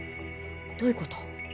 どういうこと？